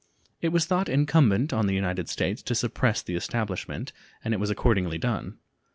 It was thought incumbent on the United States to suppress the establishment, and it was accordingly done.